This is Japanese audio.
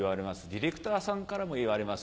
ディレクターさんからも言われます。